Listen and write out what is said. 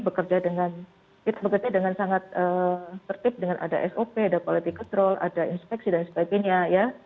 bekerja dengan kita bekerja dengan sangat tertib dengan ada sop ada quality control ada inspeksi dan sebagainya ya